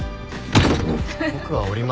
僕は降ります。